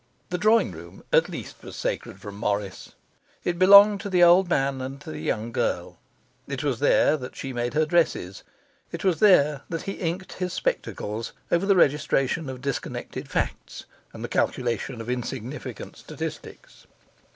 The drawing room at least was sacred from Morris; it belonged to the old man and the young girl; it was there that she made her dresses; it was there that he inked his spectacles over the registration of disconnected facts and the calculation of insignificant statistics.